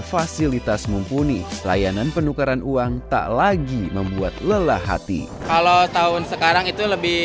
fasilitas mumpuni layanan penukaran uang tak lagi membuat lelah hati kalau tahun sekarang itu lebih